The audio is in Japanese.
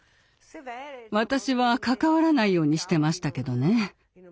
私は関わらないようにしてましたけどね。